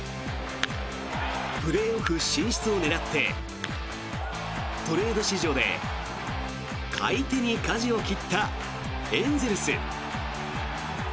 プレーオフ進出を狙ってトレード市場で買い手にかじを切ったエンゼルス。